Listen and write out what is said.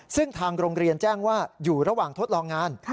ซึ่งทางโรงเรียนแจ้งว่าอยู่ระหว่างทดลองงาน